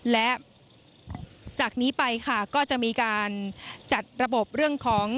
และจากนี้ไปค่ะก็จะมีการจัดระบบเรื่องของ